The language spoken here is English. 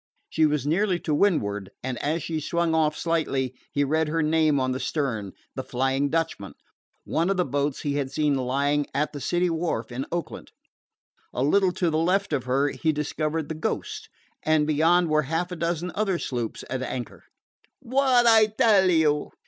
She was nearly to windward, and as she swung off slightly he read her name on the stern, the Flying Dutchman, one of the boats he had seen lying at the city wharf in Oakland. A little to the left of her he discovered the Ghost, and beyond were half a dozen other sloops at anchor. "What I tell you?"